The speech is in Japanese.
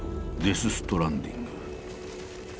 「デス・ストランディング」。